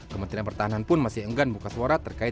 kementerian pertahanan pun masih enggan buka seluruh perusahaan